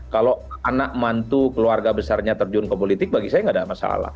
kalau anak mantu keluarga besarnya terjun ke politik bagi saya tidak ada masalah